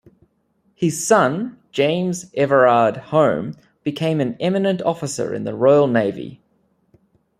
His son, James Everard Home, became an eminent officer in the Royal Navy.